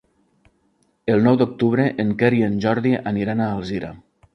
El nou d'octubre en Quer i en Jordi aniran a Alzira.